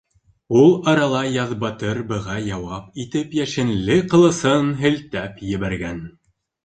Ул арала Яҙбатыр быға яуап итеп йәшенле ҡылысын һелтәп ебәргән.